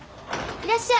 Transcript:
いらっしゃい。